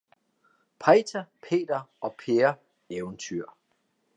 Peiter, Peter og Peer Eventyr